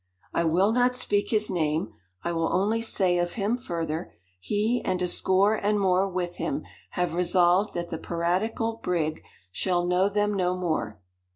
"I will not speak his name. I will only say of him further, he and a score and more with him have resolved that the piratical brig shall know them no more.